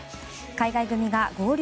海外組が合流